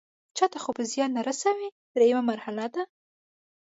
چاته خو به زیان نه رسوي دریمه مرحله ده.